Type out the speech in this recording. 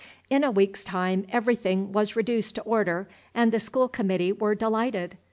In a week's time everything was reduced to order, and the school committee were delighted.